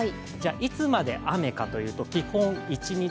いつまで雨かというと基本一日